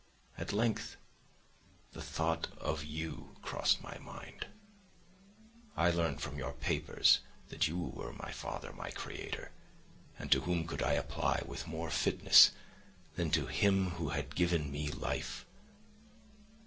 At length the thought of you crossed my mind. I learned from your papers that you were my father, my creator; and to whom could I apply with more fitness than to him who had given me life?